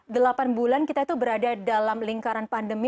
delapan bulan kita itu berada dalam lingkaran pandemi